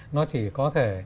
nó chỉ có thể